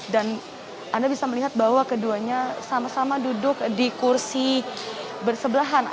dan anda bisa melihat bahwa keduanya sama sama duduk di kursi bersebelahan